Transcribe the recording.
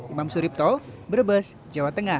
imam suripto brebes jawa tengah